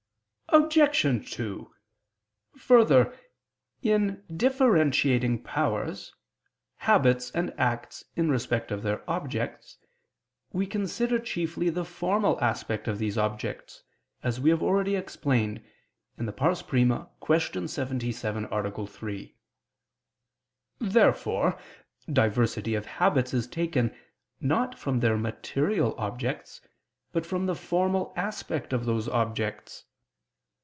Obj. 2: Further, in differentiating powers, habits and acts in respect of their objects, we consider chiefly the formal aspect of these objects, as we have already explained (I, Q. 77, A. 3). Therefore diversity of habits is taken, not from their material objects, but from the formal aspect of those objects.